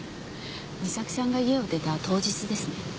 美咲さんが家を出た当日ですね。